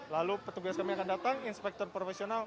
lalu petugas kami akan datang inspektor profesional